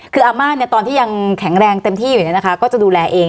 คืออาม่าเนี่ยตอนที่ยังแข็งแรงเต็มที่อยู่เนี่ยนะคะก็จะดูแลเอง